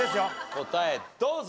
答えどうぞ。